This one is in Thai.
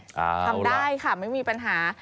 ทำได้ค่ะไม่มีปัญหา